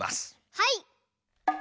はい！